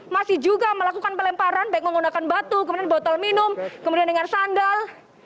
masih juga melakukan pelemparan baik menggunakan batu kemudian botol minum kemudian dengan sandal